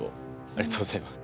ありがとうございます。